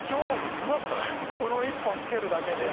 この一本つけるだけで。